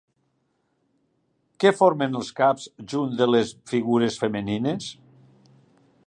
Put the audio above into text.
Què formen els caps junts de les figures femenines?